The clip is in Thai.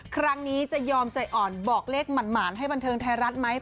ครั้งนี้จะยอมใจอ่อนบอกเลขหมานให้บันเทิงไทยรัฐไหม